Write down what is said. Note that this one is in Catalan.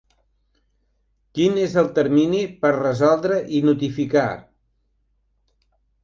Quin és el termini per resoldre i notificar?